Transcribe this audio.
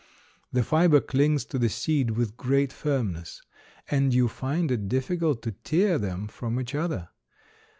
The fiber clings to the seed with great firmness, and you find it difficult to tear them from each other.